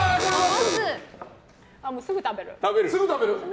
すぐ食べる。